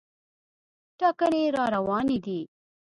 ټاکنې راروانې دي.